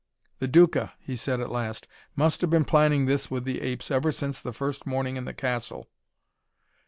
"The Duca," he said at last, "must have been planning this with the apes ever since the first morning in the castle."